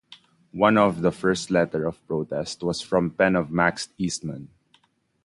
One of the first letters of protest was from the pen of Max Eastman.